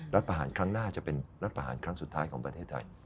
ประหารครั้งหน้าจะเป็นรัฐประหารครั้งสุดท้ายของประเทศไทย